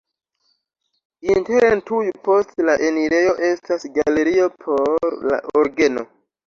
Interne tuj post la enirejo estas galerio por la orgeno.